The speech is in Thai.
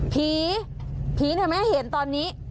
ผีผีทำไมให้เห็นตอนนี้